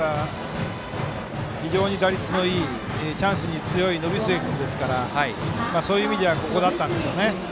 非常に打率のいいチャンスに強い延末君ですからそういう意味ではここだったんでしょうね。